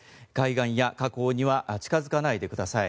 海岸や河口には近づかないでください。